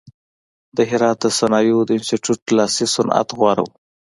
د هرات د صنایعو د انستیتیوت لاسي صنعت غوره و.